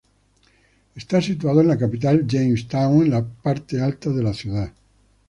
Está situado en la capital, Jamestown, en la parte alta de la ciudad.